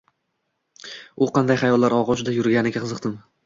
U qanday xayollar ogʻushida yurganiga qiziqdim